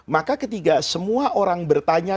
maka ketika semua orang bertanya